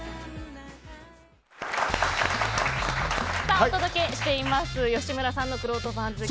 お届けしています吉村さんのくろうと番付。